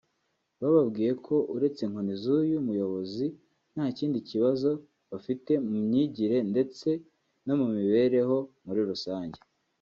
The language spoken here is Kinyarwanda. bababwiye ko uretse inkoni z’uyu muyobozi nta kindi kibazo bafite mu myigire ndetse no mibereyo muri rusange